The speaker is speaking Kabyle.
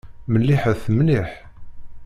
Melliḥet mliḥ.